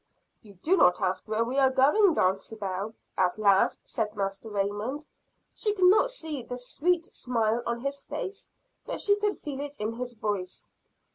"You do not ask where we are going, Dulcibel?" at last said Master Raymond. She could not see the sweet smile on his face; but she could feel it in his voice.